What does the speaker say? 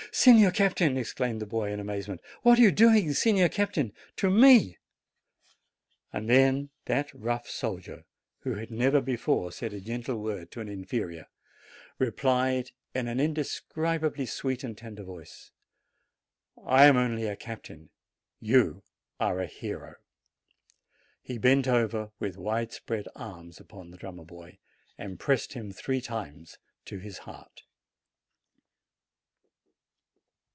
"Signor Captain!" exclaimed the boy in amaze ment. "What are you doing, Signor Captain? To me!" And then that rough soldier, who had never before io8 JANUARY said a gentle word to an inferior, replied in an inde scribably sweet and tender voice, "I am only a captain ; you are a hero." He bent over with wide spread arms upon the drum mer boy, and pressed him three times to his heart.